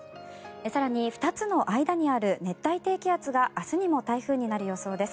更に２つの間にある熱帯低気圧が明日にも台風になる予想です。